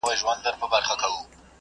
هسي نه چي دا یو ته په زړه خوږمن یې